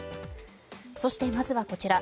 そして、まずはこちら。